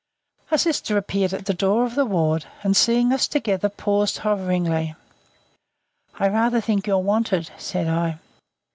'" A Sister appeared at the door of the ward and seeing us together paused hoveringly. "I rather think you're wanted," said I.